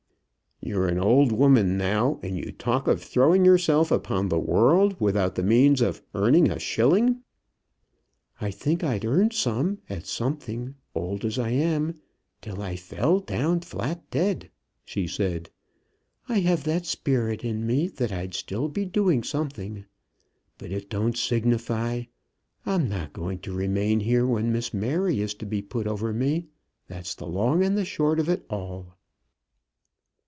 "You're an old woman now, and you talk of throwing yourself upon the world without the means of earning a shilling." "I think I'd earn some, at something, old as I am, till I fell down flat dead," she said. "I have that sperit in me, that I'd still be doing something. But it don't signify; I'm not going to remain here when Miss Mary is to be put over me. That's the long and the short of it all."